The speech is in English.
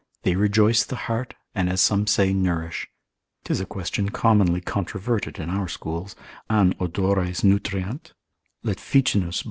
They rejoice the heart, and as some say, nourish; 'tis a question commonly controverted in our schools, an odores nutriant; let Ficinus, lib.